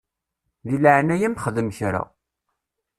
Di leɛnaya-m xdem kra.